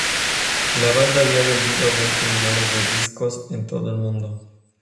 La banda había vendido veinte millones de discos en todo el mundo.